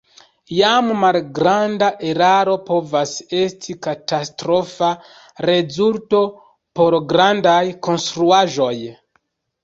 Jam malgranda eraro povas esti katastrofa rezulto por grandaj konstruaĵoj.